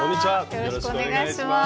よろしくお願いします。